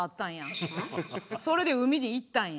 それで海に行ったんや。